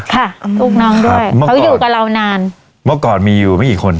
ลูกน้องด้วยเขาอยู่กับเรานานเมื่อก่อนมีอยู่ไม่กี่คน